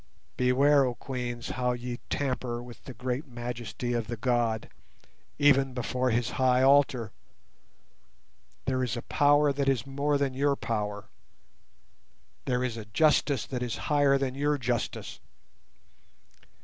Beware, oh Queens, how ye tamper with the great majesty of the God, even before His high altar! There is a Power that is more than your power; there is a Justice that is higher than your justice.